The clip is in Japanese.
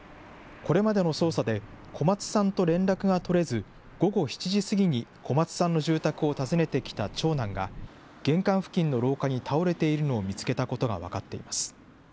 これまでの捜査で、小松さんと連絡が取れず、午後７時過ぎに小松さんの住宅を訪ねてきた長男が、玄関付近の廊下に倒れているのを見つけたことが分かっています。